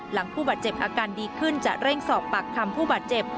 ผู้บาดเจ็บอาการดีขึ้นจะเร่งสอบปากคำผู้บาดเจ็บ